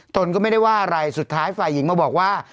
ตนก็ไม่ได้ว่าอะไรสุดท้ายฝ่ายหญิงมาบอกว่า